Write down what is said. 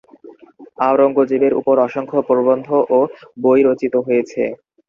আওরঙ্গজেবের উপর অসংখ্য প্রবন্ধ ও বই রচিত হয়েছে।